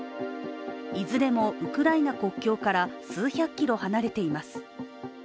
いずれもウクライナ国境から数百キロ離れています。